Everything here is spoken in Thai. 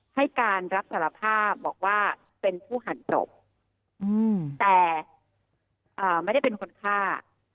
ให้การรับสารภาพบอกว่าเป็นผู้หั่นศพแต่ไม่ได้เป็นคนฆ่า